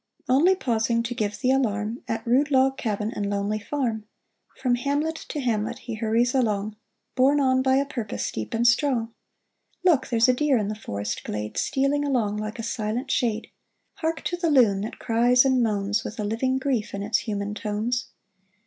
Only pausing to give the alarm At rude log cabin and lonely farm. THE armorer's ERRAND 42 1 From hamlet to hamlet he hurries along, Borne on by a purpose deep and strong. Look ! there's a deer in the forest glade, Stealing along like a silent shade ! Hark to the loon that cries and moans With a living grief in its human tones